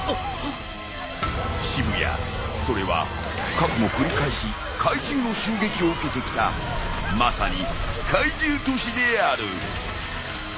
渋谷それは過去も繰り返し怪獣の襲撃を受けてきたまさに怪獣都市である。